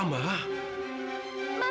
nggak usah har preservation